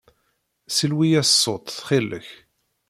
Silwi-yas ṣṣut, ttxil-k.